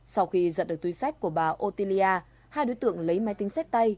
sau khi nhận được túi sách của bà otilia hai đối tượng lấy máy tính sách tay